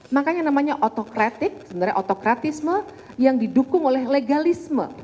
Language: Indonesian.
makanya namanya otokratik sebenarnya otokratisme yang didukung oleh legalisme